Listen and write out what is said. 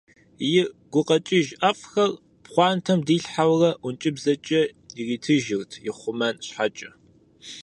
И гукъэкӏыж ӏэфӏхэр пхъуантэм дилъхьэурэ ӏункӏыбзэ иритыжырт ихъумэн щхьэкӏэ.